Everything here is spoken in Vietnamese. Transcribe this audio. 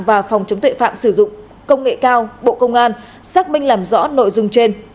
và phòng chống tuệ phạm sử dụng công nghệ cao bộ công an xác minh làm rõ nội dung trên